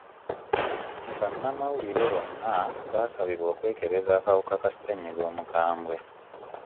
Bannamawulire bonna baasabibwa okwekebeza akawuka ka ssenyiga omukambwe.